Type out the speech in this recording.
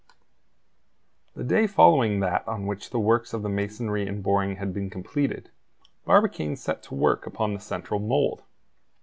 The day following that on which the works of the masonry and boring had been completed, Barbicane set to work upon the central mould.